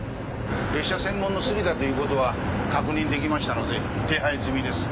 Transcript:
列車専門のスリだということは確認できましたので手配済みです。